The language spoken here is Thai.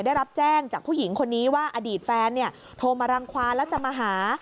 ได้รับแจ้งจากผู้หญิงคนนี้ว่าอดีตแฟนเนี่ยโทรมารังความแล้วจะมาหา